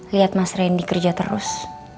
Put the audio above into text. lihat mas randy kerja terus